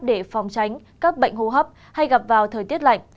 để phòng tránh các bệnh hô hấp hay gặp vào thời tiết lạnh